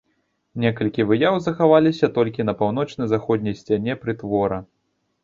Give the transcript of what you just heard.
Некалькі выяў захаваліся толькі на паўночна-заходняй сцяне прытвора.